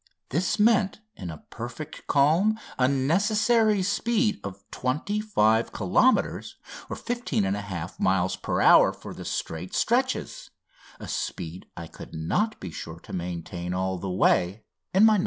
This meant in a perfect calm a necessary speed of 25 kilometres (15 1/2 miles) per hour for the straight stretches a speed I could not be sure to maintain all the way in my "No.